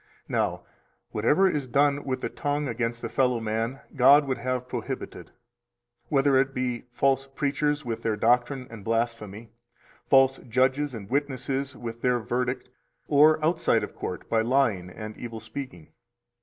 Now, whatever is done with the tongue against a fellow man God would have prohibited, whether it be false preachers with their doctrine and blasphemy, false judges and witnesses with their verdict, or outside of court by lying and evil speaking.